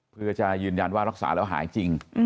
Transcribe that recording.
เพื่อจะยืนยันว่ารักษาแล้วหายจริง